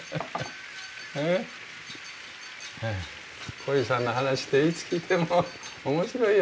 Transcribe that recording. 鯉さんの話っていつ聞いても面白いよね。